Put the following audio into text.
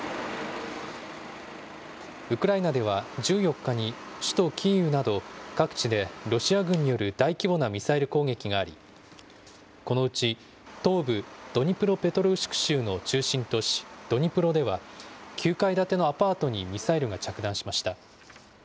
ウクライナでは１４日に首都キーウなど、各地でロシア軍による大規模なミサイル攻撃があり、このうち東部ドニプロペトロウシク州の中心都市ドニプロでは、９階建てのアパートにミサイルが着弾しました。